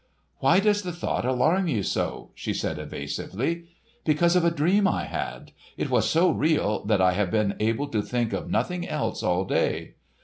"Why does the thought alarm you so?" she said evasively. "Because of a dream I had. It was so real that I have been able to think of nothing else all day."